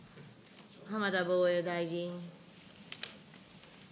浜田防衛大臣。